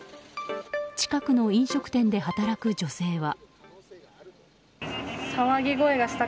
近くの飲食店で働く女性は。